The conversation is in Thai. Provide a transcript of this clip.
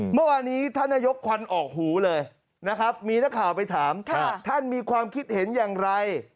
เมื่อวานนี้ท่านนายกควันออกหูเลยนะครับมีนักข่าวไปถามท่านมีความคิดเห็นอย่างไร